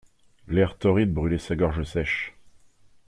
L'air torride brûlait sa gorge sèche.